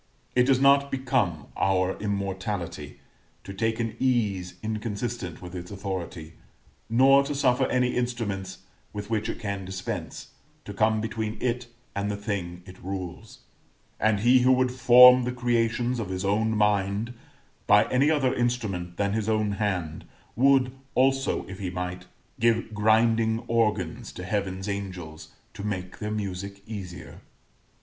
It does not become our immortality to take an ease inconsistent with its authority, nor to suffer any instruments with which it can dispense, to come between it and the things it rules: and he who would form the creations of his own mind by any other instrument than his own hand, would, also, if he might, give grinding organs to Heaven's angels, to make their music easier.